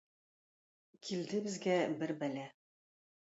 Килде безгә бер бәла.